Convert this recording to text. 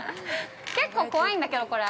結構怖いんだけど、これ。